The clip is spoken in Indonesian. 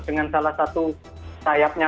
dengan salah satu sayapnya